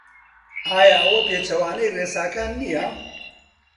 ئایا ئەوە پێچەوانەی ڕێساکان نییە؟